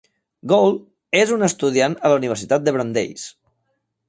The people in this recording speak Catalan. Gould és un estudiant a la Universitat de Brandeis.